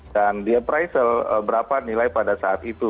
dan di appraisal berapa nilai pada saat itu